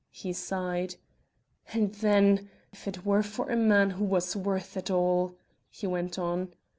he sighed. "And then if it were for a man who was worth it all!" he went on.